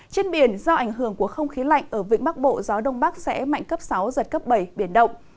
trên biển do ảnh hưởng của không khí lạnh ở vĩnh bắc bộ gió đông bắc sẽ mạnh cấp sáu giật cấp bảy biển động